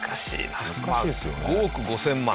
まあ５億５０００万。